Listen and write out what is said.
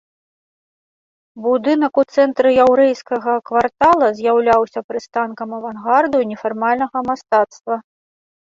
Будынак у цэнтры яўрэйскага квартала з'яўляўся прыстанкам авангарду і нефармальнага мастацтва.